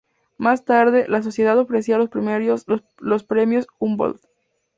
Más tarde, la sociedad ofrecía los premios Humboldt.